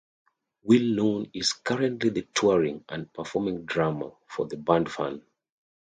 Will Noon is currently the touring and performing drummer for the band fun.